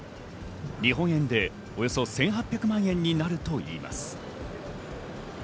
日本円でおよそ１８００万円になるといいます。